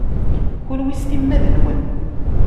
Kunwi s timmad-nwen.